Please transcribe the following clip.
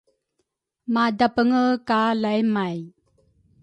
madapenge ka laymay.